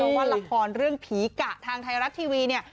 เราว่าระคอนเรื่องผีกะทางไทยรักษณ์ทีวี